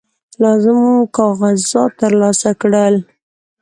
لازم کاغذات ترلاسه کړل.